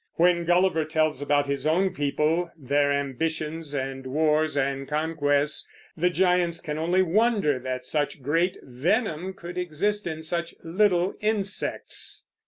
When Gulliver tells about his own people, their ambitions and wars and conquests, the giants can only wonder that such great venom could exist in such little insects.